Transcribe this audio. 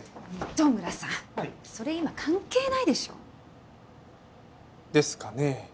糸村さんそれ今関係ないでしょ！ですかね。